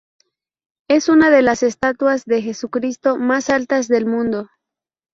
Es una de las estatuas de Jesucristo más altas del mundo.